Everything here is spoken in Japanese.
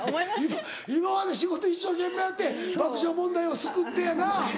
今まで仕事一生懸命やって爆笑問題を救ってやな。